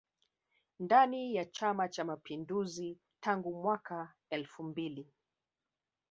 Ndani ya chama cha mapinduzi tangu mwaka elfu mbili